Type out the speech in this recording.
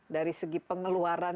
dari segi pengeluaran